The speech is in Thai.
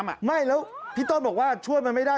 ไม่แล้วพี่ต้นบอกว่าช่วยมันไม่ได้